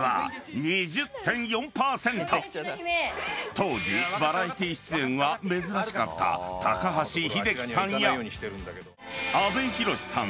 ［当時バラエティー出演は珍しかった高橋英樹さんや阿部寛さん